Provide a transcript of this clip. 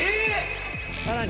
さらに！